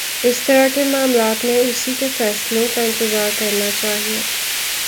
اِس طرح کے معاملات میں اُسی کے فیصلوں کا انتظار کرنا چاہیے